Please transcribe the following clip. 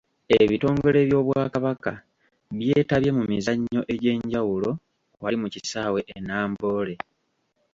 Ebitongole by'Obwakabaka byetabye mu mizannyo egyenjawulo wali mu kisaawe e Namboole.